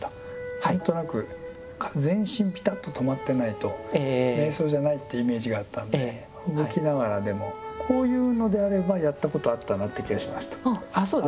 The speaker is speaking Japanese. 何となく全身ぴたっと止まってないと瞑想じゃないってイメージがあったんで動きながらでもこういうのであればやったことあったなって気がしました。